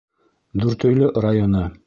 Дүртөйлө районы.